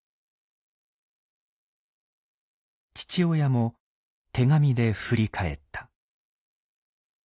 父親も手紙で振り返った。